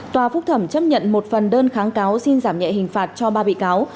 tòa phúc thẩm chấp nhận một phần đơn kháng cáo xin giảm nhẹ hình phạt cho ba bị cáo